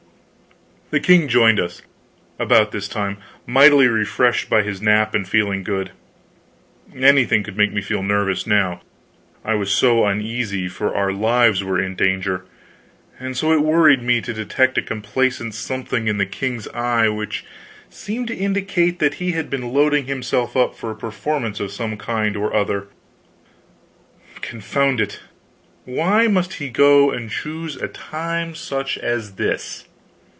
The king joined us, about this time, mightily refreshed by his nap, and feeling good. Anything could make me nervous now, I was so uneasy for our lives were in danger; and so it worried me to detect a complacent something in the king's eye which seemed to indicate that he had been loading himself up for a performance of some kind or other; confound it, why must he go and choose such a time as this?